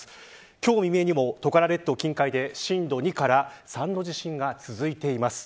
今日未明にも、トカラ列島近海で震度２から３の地震が続いています。